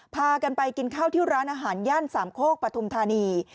พากันไปกินข้าวที่ร้านอาหารย่านสามโคกปฐุมธานี